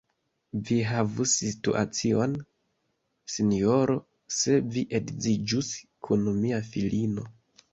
Vi havus situacion, sinjoro, se vi edziĝus kun mia filino.